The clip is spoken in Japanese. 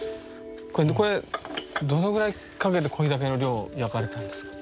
これどのぐらいかけてこれだけの量焼かれたんですか？